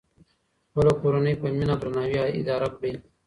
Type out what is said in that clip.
خپله کورنۍ په مینه او درناوي اداره کړئ.